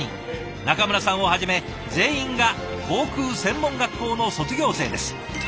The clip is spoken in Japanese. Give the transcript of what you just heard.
中村さんをはじめ全員が航空専門学校の卒業生です。